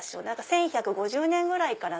１１５０年ぐらいからの。